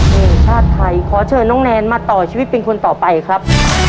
ทีมชาติไทยขอเชิญน้องแนนมาต่อชีวิตเป็นคนต่อไปครับ